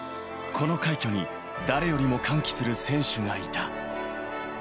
この快挙に誰よりも歓喜する選手がいた。